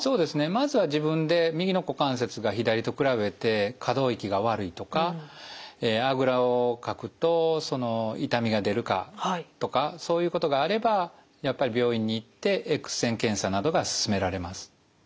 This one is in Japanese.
まずは自分で右の股関節が左と比べて可動域が悪いとかあぐらをかくと痛みが出るかとかそういうことがあればやっぱり病院に行ってエックス線検査などがすすめられます。